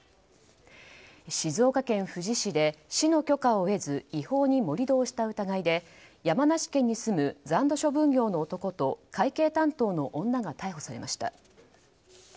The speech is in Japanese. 静岡県富士市で市の許可を得ず違法に盛り土をした疑いで山梨県に住む残土処分業の男と会計担当の女が逮捕されました。